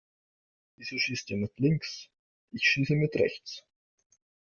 Wieso schießt der mit links? Ich schieße mit rechts.